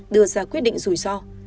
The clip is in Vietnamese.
đưa ra quyết định rủi ro